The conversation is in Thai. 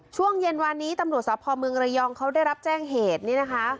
ช่วงเย็นวานนี้ตำรวจสภเมืองระยองเขาได้รับแจ้งเหตุนี่นะคะ